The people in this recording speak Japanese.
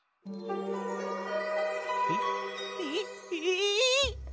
えっええっええ！？